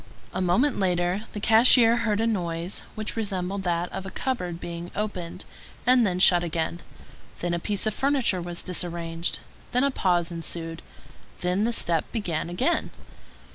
A moment later the cashier heard a noise which resembled that of a cupboard being opened, and then shut again; then a piece of furniture was disarranged; then a pause ensued; then the step began again.